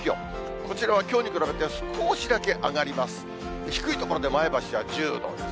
こちらはきょうに比べて少しだけ上がります。